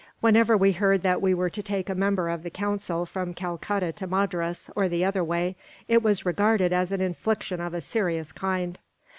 Whenever we heard that we were to take a member of the Council from Calcutta to Madras, or the other way, it was regarded as an infliction of a serious kind."